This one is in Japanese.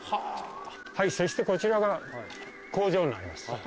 はいそしてこちらが工場になります。